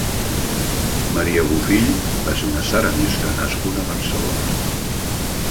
Maria Bofill va ser una ceramista nascuda a Barcelona.